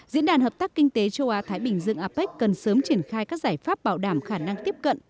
diễn đàn hợp tác kinh tế châu á thái bình dương apec cần sớm triển khai các giải pháp bảo đảm khả năng tiếp cận